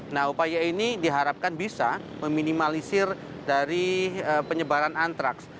nah upaya ini diharapkan bisa meminimalisir dari penyebaran antraks